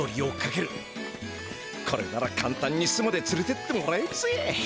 これならかんたんに巣までつれてってもらえるぜ。